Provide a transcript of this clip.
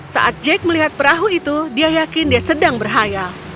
saat jake melihat perahu itu dia yakin dia sedang berhaya